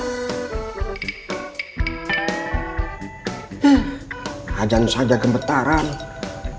hingga hari ini sadar seperti dahulu